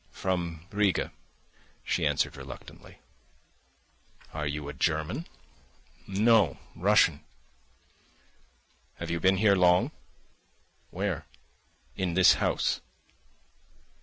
"From Riga," she answered reluctantly. "Are you a German?" "No, Russian." "Have you been here long?" "Where?" "In this house?"